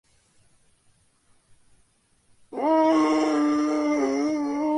En los primeros años de su carrera estudió teología y trabajó en una librería.